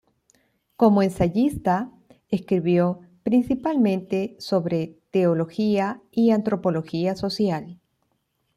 Como ensayista, escribió principalmente sobre teología y antropología social.